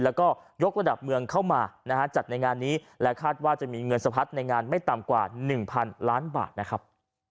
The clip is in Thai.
แล้วก็ยกระดับเมืองเข้ามานะฮะจัดในงานนี้และคาดว่าจะมีเงินสะพัดในงานไม่ต่ำกว่า๑๐๐๐ล้านบาทนะครับ